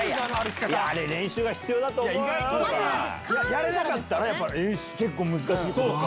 やれなかったら結構難しいってことよ。